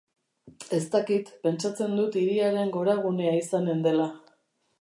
Ez dakit, pentsatzen dut hiriaren goragunea izanen dela.